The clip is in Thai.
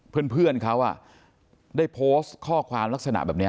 เพื่อนเขาได้โพสต์ข้อความลักษณะแบบนี้